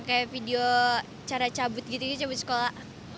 kayak video cara cabut gitu gitu cabut sekolah